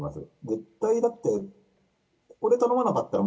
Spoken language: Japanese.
絶対だって、これを頼まなかったら、